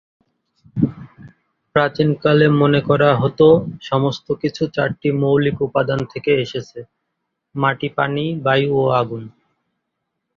প্রাচীনকালে মনে করা হতো সমস্ত কিছু চারটি মৌলিক উপাদান থেকে এসেছে; মাটি, পানি, বায়ু ও আগুন।